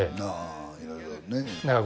あぁいろいろね。